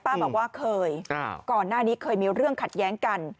บอกว่าเคยก่อนหน้านี้เคยมีเรื่องขัดแย้งกัน